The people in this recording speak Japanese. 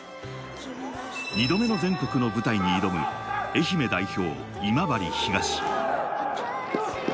２度目の全国の舞台に挑む愛媛代表・今治東。